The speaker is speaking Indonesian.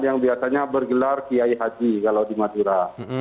yang biasanya bergelar kiai haji kalau di madura